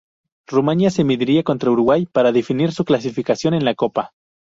Rumania se mediría contra Uruguay para definir su clasificación en la copa.